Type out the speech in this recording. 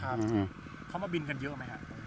เขามาบินกันเยอะไหมครับ